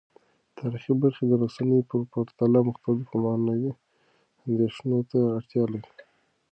تاریخي برخې د رسنیو په پرتله مختلفو معنوي اندیښنو ته اړتیا لري.